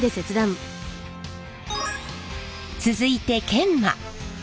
続いて研磨。